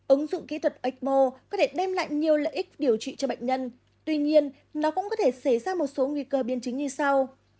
ứng dụng kỹ thuật ecmo có thể đem lại nhiều lợi ích điều trị cho bệnh nhân tuy nhiên nó cũng có thể xảy ra một số nguy cơ biến chứng như sau